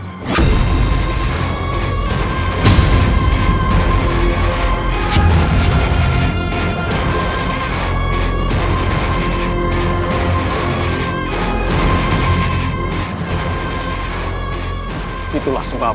mereka akan berubah menjadi jahatan